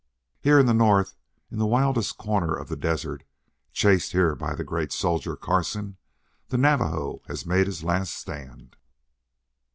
Here in the north, in the wildest corner of the desert, chased here by the great soldier, Carson, the Navajo has made his last stand.